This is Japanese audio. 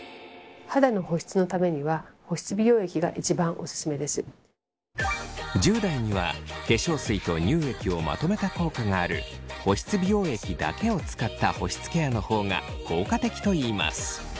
肌の保湿のためには１０代には化粧水と乳液をまとめた効果がある保湿美容液だけを使った保湿ケアの方が効果的といいます。